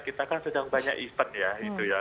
kita kan sedang banyak event ya